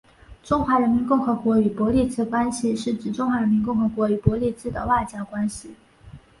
中华人民共和国与伯利兹关系是指中华人民共和国与伯利兹的外交关系。